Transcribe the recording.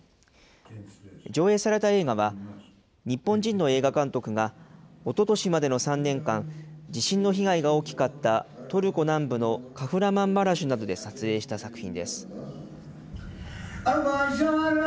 上映された映画は、日本人の映画監督がおととしまでの３年間、地震の被害が大きかったトルコ南部のカフラマンマラシュなどで撮影した作品です。